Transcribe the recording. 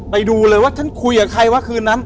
ไปดูเลยว่าฉันคุยกับใครวะคืนนั้น